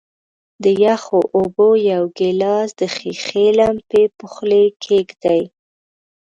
د یخو اوبو یو ګیلاس د ښيښې لمپې په خولې کیږدئ.